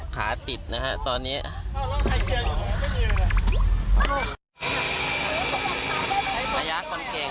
เขาอดฝนมาก